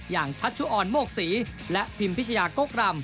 ชัชชุออนโมกศรีและพิมพิชยากกรำ